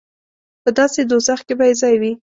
په داسې دوزخ کې به یې ځای وي.